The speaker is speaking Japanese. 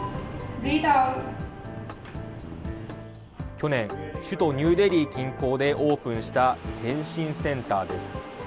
去年、首都ニューデリー近郊でオープンした健診センターです。